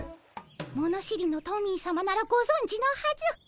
物知りのトミーさまならごぞんじのはず。